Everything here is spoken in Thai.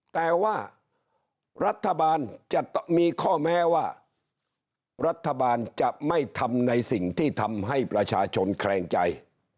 แต่ว่ารัฐบาลจะมีข้อแม้ว่ารัฐบาลจะไม่ทำในสิ่งที่ทำให้ประชาชนแคลงใจ